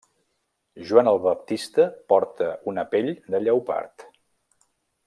Joan el Baptista porta una pell de lleopard.